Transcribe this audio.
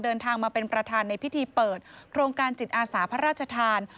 เดินทางมาเป็นประธานในพิธีเปิดโครงการจิตอาสาพระราชทาน